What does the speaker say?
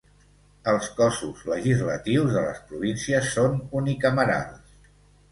Els cossos legislatius de les províncies són unicamerals.